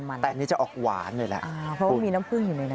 แต่อันนี้จะออกหวานเลยแหละเพราะว่ามีน้ำผึ้งอยู่ในนั้น